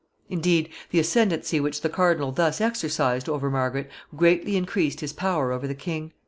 Indeed, the ascendency which the cardinal thus exercised over Margaret greatly increased his power over the king.